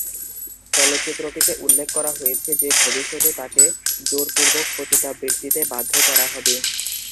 চলচ্চিত্রটিতে উল্লেখ করা হয়েছে যে ভবিষ্যতে তাকে জোর পূর্বক পতিতাবৃত্তিতে বাধ্য করা হবে।